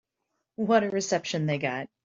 What a reception they got.